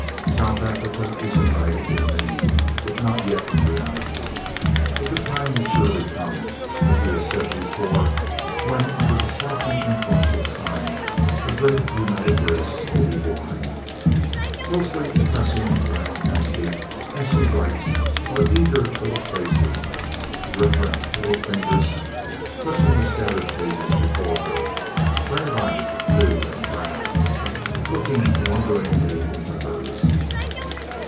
South Africa is united in name, if not yet in reality, but the time will surely come, as we have said before, when, under the softening influence of time, a great united race will be born. Closely pressing around Hansie as she writes are eager little faces, reverent little fingers touching the scattered pages before her, brave eyes of blue and brown, looking wonderingly into hers.